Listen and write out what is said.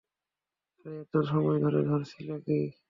আরে এতো সময় ধরে করছিলেটা কী?